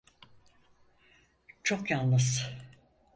Çok yalnız.